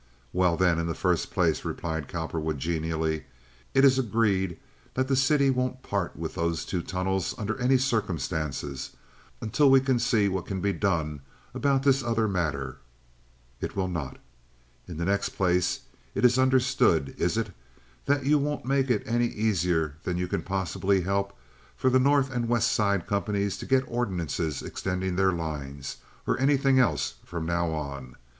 "Well, then, in the first place," replied Cowperwood, genially, "it is agreed that the city won't part with those two tunnels under any circumstances until we can see what can be done about this other matter?" "It will not." "In the next place, it is understood, is it, that you won't make it any easier than you can possibly help for the North and West Side companies to get ordinances extending their lines, or anything else, from now on?